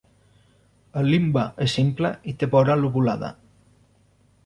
El limbe és simple i té vora lobulada.